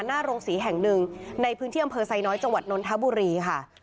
หน้าโรงศรีแห่งหนึ่งในพื้นที่อำเภอไซน้อยจังหวัดนนทบุรีค่ะ